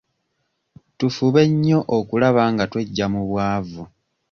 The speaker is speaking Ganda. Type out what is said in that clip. Tufube nnyo okulaba nga tweggya mu bwavu.